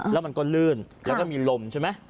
แล้วมันก็ลื่นแล้วก็มีลมใช่ไหม